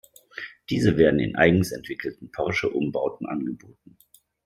Diese werden in eigens entwickelten Porsche-Umbauten angeboten.